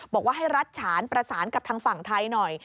บอกว่าให้รัฐฉานประสานกับทางฝั่งไทยหน่อย